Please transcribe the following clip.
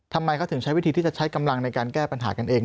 ทำไมเขาถึงใช้วิธีที่จะใช้กำลังในการแก้ปัญหากันเอง